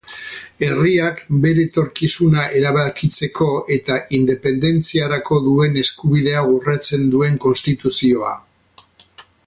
Herriak bere etorkizuna erabakitzeko eta independentziarako duen eskubidea urratzen duen konstituzioa.